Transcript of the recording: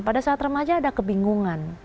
pada saat remaja ada kebingungan